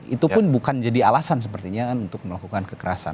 itu pun bukan jadi alasan sepertinya kan untuk melakukan kekerasan